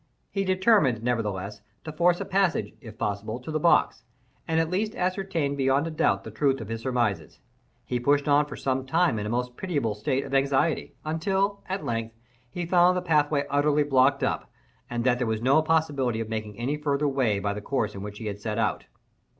He determined, nevertheless, to force a passage, if possible, to the box, and at least ascertain beyond a doubt the truth of his surmises. He pushed on for some time in a most pitiable state of anxiety, until, at length, he found the pathway utterly blocked up, and that there was no possibility of making any farther way by the course in which he had set out.